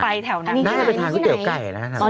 น่าจะเป็นทางข้าวเก๋วไก่นะครับ